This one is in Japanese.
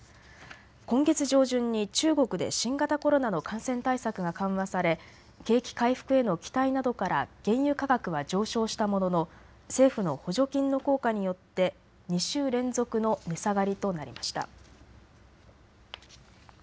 今月上旬に中国で新型コロナの感染対策が緩和され、景気回復への期待などから原油価格は上昇したものの政府の補助金の効果によって２週連続の値下がりとなりました。